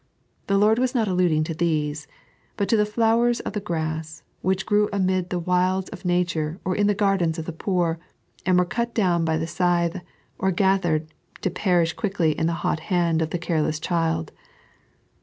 The Lord was not alluding to these, but to the flowers of the grass, which grew amid tho wilds of nature or in the gardens of the poor, and were cut down by the scythe or gathered to perish quickly in the hot hand of the careless child.